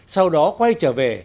sau đó quay trở về